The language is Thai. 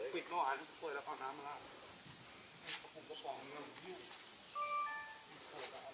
กระปุกก็ส่องเงินอยู่